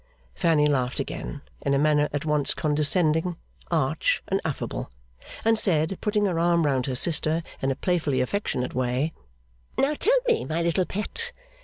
Fanny laughed again, in a manner at once condescending, arch, and affable; and said, putting her arm round her sister in a playfully affectionate way: 'Now tell me, my little pet.